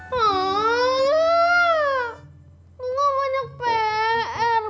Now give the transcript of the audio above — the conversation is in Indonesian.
gak banyak pr